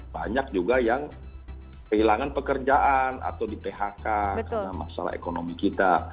banyak juga yang kehilangan pekerjaan atau di phk karena masalah ekonomi kita